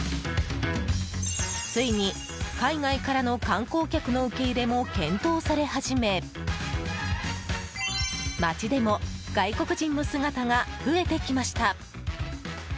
ついに海外からの観光客の受け入れも検討され始め街でも外国人の姿が増えてきました。